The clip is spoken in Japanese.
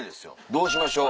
どうしましょう？